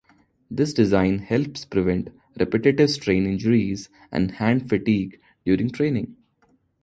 This design helps prevent repetitive-strain injuries and hand fatigue during training.